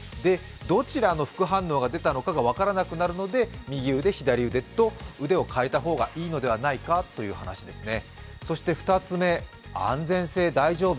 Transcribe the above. どちらの副反応が出たのかが分からなくなるので右腕、左腕と腕を変えた方がいいのではないかという話ですね。